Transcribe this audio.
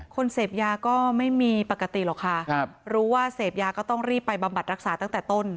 คนเสพยาก็ไม่มีปกติหรอกค่ะครับรู้ว่าเสพยาก็ต้องรีบไปบำบัดรักษาตั้งแต่ต้น